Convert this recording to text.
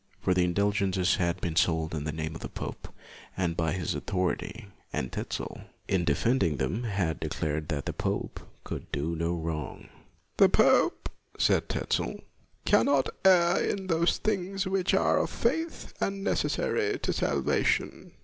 For the indulgences had been sold in the name of the pope, and by his author ity; and Tetzel, in defending them, had declared that the pope could do no wrong. " The pope,' 1 said Tetzel, " cannot err in those things which are of faith and necessary to salvation.'